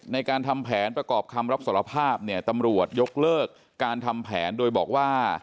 ในการทำแผนประกอบคำรับสารภาพเนี่ยตำรวจยกเลิกการทำแผนโดยบอกว่า